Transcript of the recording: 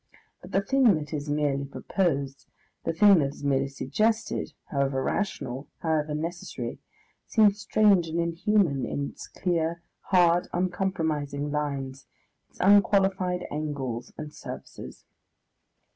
But the thing that is merely proposed, the thing that is merely suggested, however rational, however necessary, seems strange and inhuman in its clear, hard, uncompromising lines, its unqualified angles and surfaces.